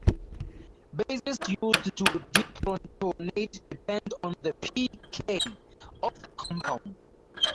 Bases used to deprotonate depend on the p"K" of the compound.